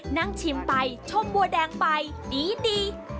นั่งชิมไปชมบัวแดงไปดี